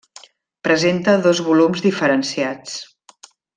Presenta dos volums diferenciats.